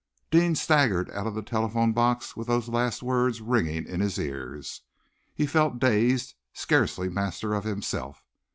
Deane staggered out of the telephone box with those last words ringing in his ears. He felt dazed, scarcely master of himself.